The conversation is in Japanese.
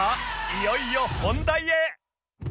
いよいよ本題へ！